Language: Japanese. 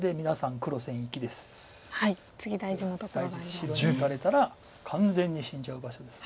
白に打たれたら完全に死んじゃう場所です。